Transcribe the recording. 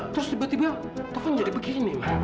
terus tiba tiba toh fan jadi begini mak